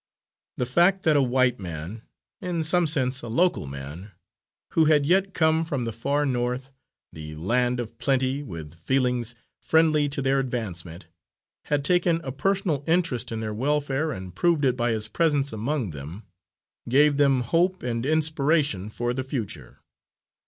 The fact that a white man, in some sense a local man, who had yet come from the far North, the land of plenty, with feelings friendly to their advancement, had taken a personal interest in their welfare and proved it by his presence among them, gave them hope and inspiration for the future.